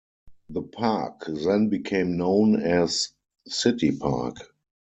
The park then became known as City Park.